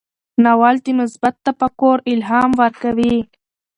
ناول د مثبت تفکر الهام ورکوي.